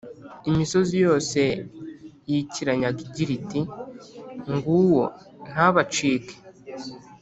imisozi yose yikiranyaga igira iti « nguwo ntabacike !»